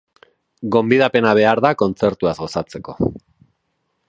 Gonbidapena behar da kontzertuaz gozatzeko.